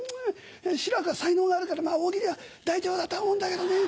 志らくは才能があるから大喜利は大丈夫だとは思うんだけどね